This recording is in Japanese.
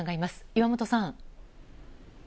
岩本さん。